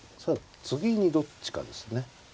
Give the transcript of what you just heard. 次にどっちかですね。